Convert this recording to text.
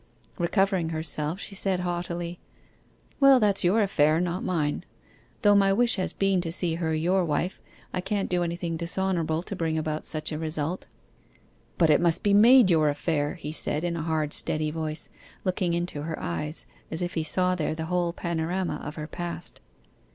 Recovering herself, she said haughtily, 'Well, that's your affair, not mine. Though my wish has been to see her your wife, I can't do anything dishonourable to bring about such a result.' 'But it must be made your affair,' he said in a hard, steady voice, looking into her eyes, as if he saw there the whole panorama of her past.